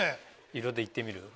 「色」で行ってみる？